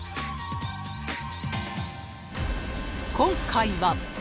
［今回は］